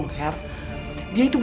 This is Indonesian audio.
uang dari mana